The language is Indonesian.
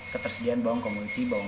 ketersediaan bawang komoditas